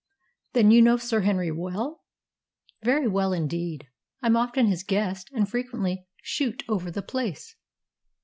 "Then you know Sir Henry well?" "Very well indeed. I'm often his guest, and frequently shoot over the place."